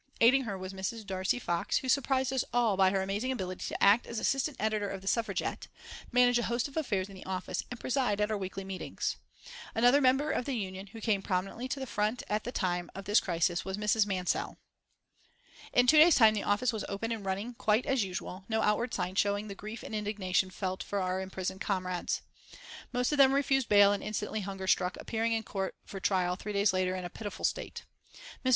Aiding her was Mrs. Dacre Fox, who surprised us all by her amazing ability to act as assistant editor of The Suffragette, manage a host of affairs in the office, and preside at our weekly meetings. Another member of the Union who came prominently to the front at the time of this crisis was Mrs. Mansel. In two days' time the office was open and running quite as usual, no outward sign showing the grief and indignation felt for our imprisoned comrades. Most of them refused bail and instantly hunger struck appearing in court for trial three days later in a pitiful state. Mrs.